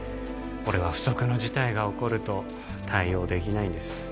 俺は不測の事態が起こると対応できないんです